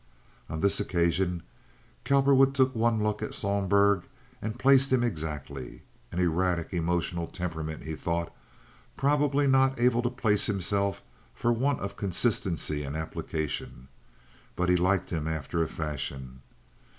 On this occasion Cowperwood took one look at Sohlberg and placed him exactly. "An erratic, emotional temperament," he thought. "Probably not able to place himself for want of consistency and application." But he liked him after a fashion.